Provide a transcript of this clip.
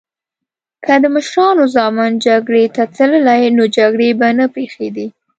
که د مشرانو ځامن جګړی ته تللی نو جګړې به نه پیښیدی